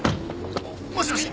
もしもし？